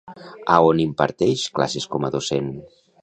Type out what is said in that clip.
A on imparteix classes com a docent?